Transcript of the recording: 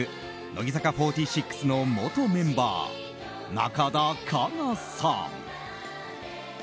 乃木坂４６の元メンバー中田花奈さん。